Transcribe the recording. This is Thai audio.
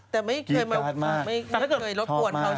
แต่ไม่เคยลดปวดเขาใช่ไหม